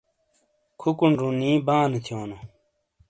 کھوکونڈ رُونی بانے تھیونو۔